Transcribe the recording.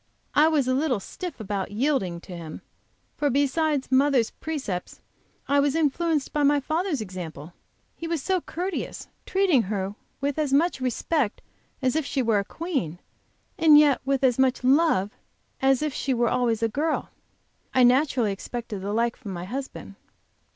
"I was a little stiff about yielding to him, for besides mother's precepts, I was influenced by my father's example. He was so courteous, treating her with as much respect as if she were a queen, and yet with as much love as if were always a girl. I naturally expected the like from my husband."